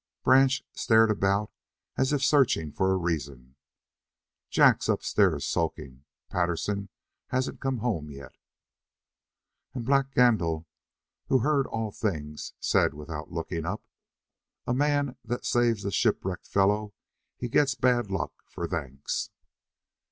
Branch stared about as if searching for a reason. "Jack's upstairs sulking; Patterson hasn't come home yet." And Black Gandil, who heard all things, said without looking up: "A man that saves a shipwrecked fellow, he gets bad luck for thanks."